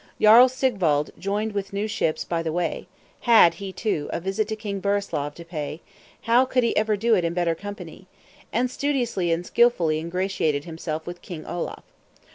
Jarl Sigwald joined with new ships by the way: "Had," he too, "a visit to King Burislav to pay; how could he ever do it in better company?" and studiously and skilfully ingratiated himself with King Olaf.